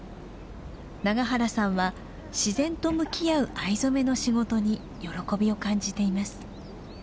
永原さんは自然と向き合う藍染めの仕事に喜びを感じています。